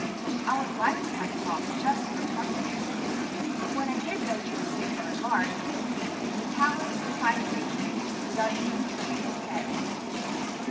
I would liked to have talked just for company, but when I did venture to make a remark, Vitalis replied briefly, without even turning his head.